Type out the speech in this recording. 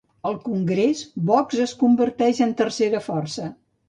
Al Congrés, Vox es converteix en tercera força.